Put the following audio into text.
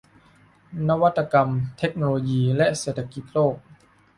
นวัตกรรม เทคโนโลยี และเศรษฐกิจโลก